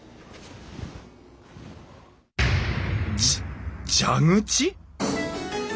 じ蛇口？